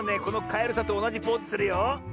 このカエルさんとおなじポーズするよ。